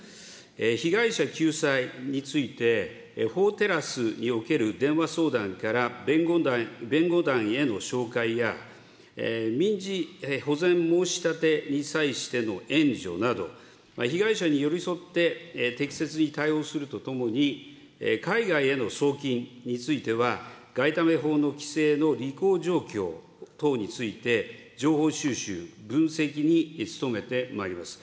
被害者救済について、法テラスにおける電話相談から弁護団への紹介や、民事保全申し立てに際しての援助など、被害者に寄り添って適切に対応するとともに、海外への送金については、外為法の規制の履行条項等について、情報収集、分析に努めてまいります。